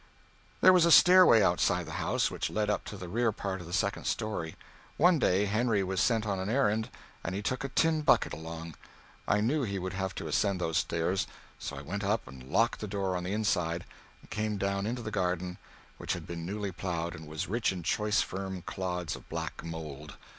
There was a stairway outside the house, which led up to the rear part of the second story. One day Henry was sent on an errand, and he took a tin bucket along. I knew he would have to ascend those stairs, so I went up and locked the door on the inside, and came down into the garden, which had been newly ploughed and was rich in choice firm clods of black mold.